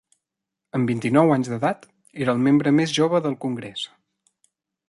Amb vint-i-nou anys d'edat, era el membre més jove del congrés.